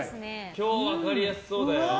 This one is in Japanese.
今日は分かりやすそうだよ。